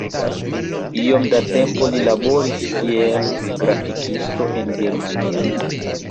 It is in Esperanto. Iom da tempo li laboris kiel grafikisto en Germanio.